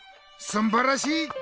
すんばらしい！